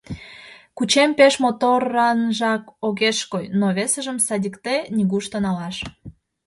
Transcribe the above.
Кучем пеш моторынжак огеш кой, но весыжым садикте нигушто налаш.